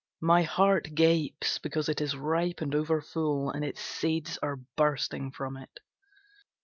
My heart gapes because it is ripe and over full, And its seeds are bursting from it.